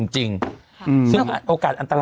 จริงซึ่งโอกาสอันตราย